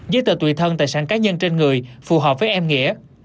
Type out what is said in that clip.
giấy tờ tùy thân tài sản cá nhân trên người phù hợp với em nghĩa